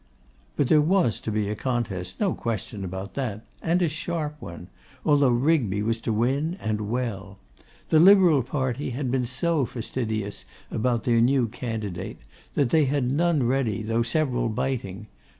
But there was to be a contest; no question about that, and a sharp one, although Rigby was to win, and well. The Liberal party had been so fastidious about their new candidate, that they had none ready though several biting.